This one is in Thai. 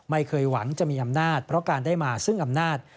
ไม่เคยหวังจะมีอำนาจเพราะการได้มาซึ่งอำนาจ